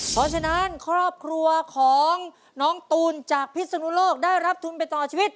เพราะฉะนั้นครอบครัวของน้องตูนจากพิศนุโลกได้รับทุนไปต่อชีวิต